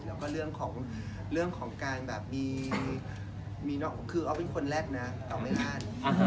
แล้วก็เรื่องของการแบบมีคือออฟเป็นคนแรกนะเอาไม่พลาด